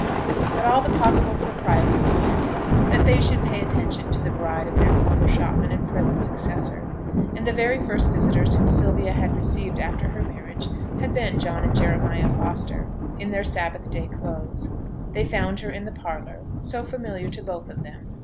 But all the possible proprieties demanded that they should pay attention to the bride of their former shopman and present successor; and the very first visitors whom Sylvia had received after her marriage had been John and Jeremiah Foster, in their sabbath day clothes. They found her in the parlour (so familiar to both of them!)